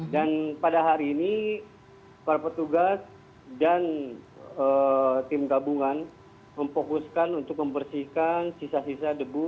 dan pada hari ini para petugas dan tim gabungan memfokuskan untuk membersihkan sisa sisa debu